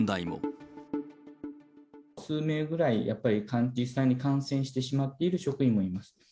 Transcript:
数名ぐらい、やっぱり実際に感染してしまっている職員もいます。